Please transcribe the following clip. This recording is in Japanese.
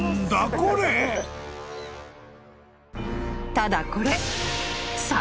［ただこれ］